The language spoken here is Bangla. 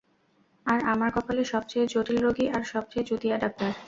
আর আমার কপালে সবচেয়ে জটিল রোগী আর সবচেয়ে চুতিয়া ডাক্তার!